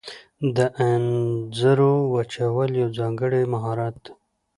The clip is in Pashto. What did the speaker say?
د انځرو وچول یو ځانګړی مهارت دی.